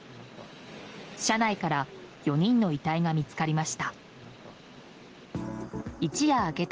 車内から４人の遺体が見つかりました。